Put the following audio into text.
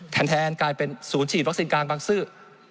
แทนกลายเป็นศูนย์ฉีดวัคซีนกลางบางซื่อ